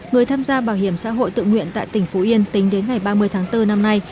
người tham gia bảo hiểm xã hội tự nguyện tại tỉnh phú yên tính đến ngày ba mươi tháng bốn năm nay